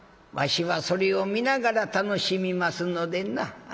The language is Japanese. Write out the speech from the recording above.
わしはそれを見ながら楽しみますのでな。